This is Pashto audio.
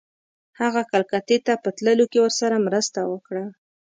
هغه کلکتې ته په تللو کې ورسره مرسته وکړه.